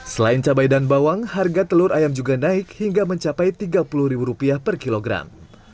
selain cabai dan bawang harga telur ayam juga naik hingga mencapai rp tiga puluh per kilogram